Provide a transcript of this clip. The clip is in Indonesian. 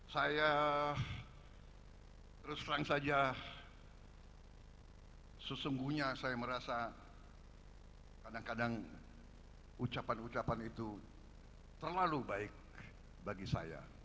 saya terus terang saja sesungguhnya saya merasa kadang kadang ucapan ucapan itu terlalu baik bagi saya